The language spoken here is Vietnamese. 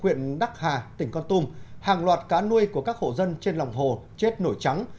huyện đắc hà tỉnh con tum hàng loạt cá nuôi của các hộ dân trên lòng hồ chết nổi trắng